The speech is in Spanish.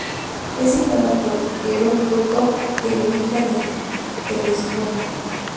Es citada por Heródoto, que la ubica en el Helesponto.